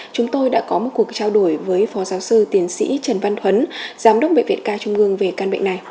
chúng tôi đã có một cuộc trao đổi với phó giáo sư tiến sĩ trần văn thuấn giám đốc bệnh viện ca trung ương về căn bệnh này